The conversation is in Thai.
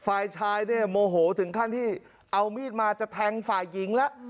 ฝ่ายชายเนี่ยโมโหถึงขั้นที่เอามีดมาจะแทงฝ่ายหญิงแล้ว